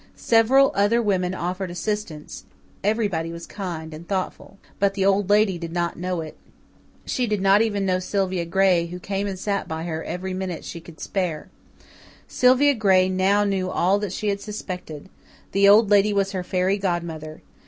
Several other women offered assistance. Everybody was kind and thoughtful. But the Old Lady did not know it. She did not even know Sylvia Gray, who came and sat by her every minute she could spare. Sylvia Gray now knew all that she had suspected the Old Lady was her fairy godmother.